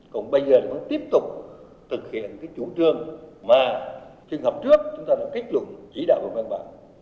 còn bây giờ chúng ta tiếp tục thực hiện cái chủ trương mà trường hợp trước chúng ta đã kết luận chỉ đạo bằng văn bản